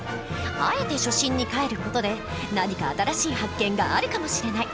あえて初心にかえる事で何か新しい発見があるかもしれない！